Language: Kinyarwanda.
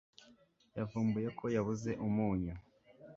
Yavumbuye ko yabuze umunyu.